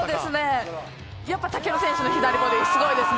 やっぱ武尊選手の左ボディすごいですね。